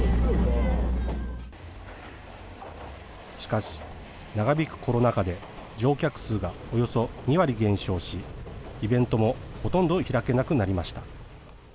しかし、長引くコロナ禍で乗客数がおよそ２割減少し、イベントもほとんど開けなくなりました。